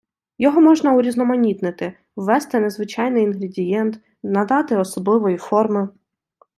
Його можна урізноманітнити: ввести незвичайний інгредієнт, надати особливої форми.